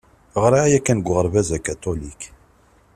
Ɣriɣ yakan deg uɣerbaz akatulik.